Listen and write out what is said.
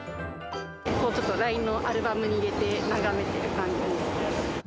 ＬＩＮＥのアルバムに入れて、眺めている感じです。